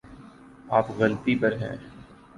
آپ غلطی پر ہیں